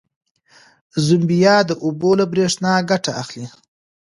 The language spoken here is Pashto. زمبیا د اوبو له برېښنا ګټه اخلي.